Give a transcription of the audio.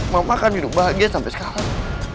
mama akan hidup bahagia sampai sekarang